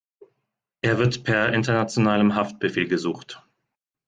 Er wird per internationalem Haftbefehl gesucht.